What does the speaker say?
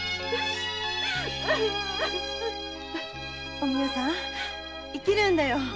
お美代さん生きるんだよ